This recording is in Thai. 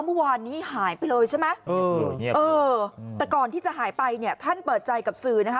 เมื่อวานนี้หายไปเลยใช่ไหมเออแต่ก่อนที่จะหายไปเนี่ยท่านเปิดใจกับสื่อนะคะ